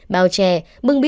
bào chè bưng bí